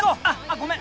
ごめん！